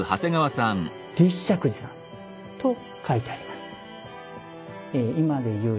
「立石寺」さんと書いてあります。